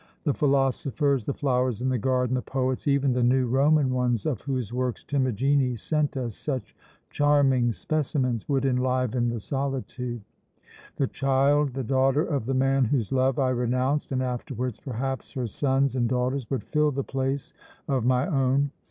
The philosophers, the flowers in the garden, the poets even the new Roman ones, of whose works Timagenes sent us such charming specimens would enliven the solitude. The child, the daughter of the man whose love I renounced, and afterwards perhaps her sons and daughters, would fill the place of my own.